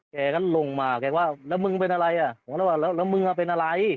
แกก็ลงมาแกว่าแล้วมึงเป็นอะไรอ่ะผมก็เลยว่าแล้วมึงเป็นอะไร